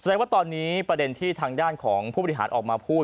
แสดงว่าตอนนี้ประเด็นที่ทางด้านของผู้บริหารออกมาพูด